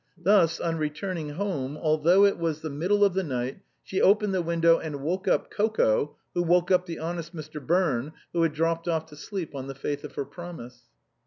Thus on returning home, although it was the middle of the night, she opened the window and woke up Coco, who woke up the honest Mr. Birne, who had dropped off to sleep on the faith of her promise.